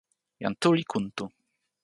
jan Tu li kuntu.